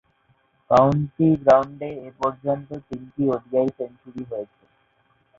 County গ্রাউন্ডে এ পর্যন্ত তিনটি ওডিআই সেঞ্চুরি হয়েছে।